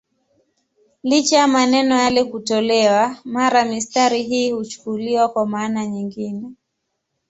Licha ya maneno yale kutolewa, mara mistari hii huchukuliwa kwa maana nyingine.